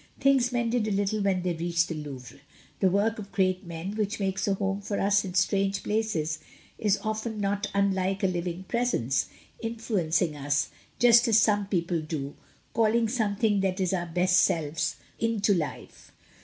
Things mended a little when they reached the Louvre. The work of great men, which makes a home for us in strange places, is often not unlike a living presence, influencing us, just as some people do, calling some thing that is our best selves into life.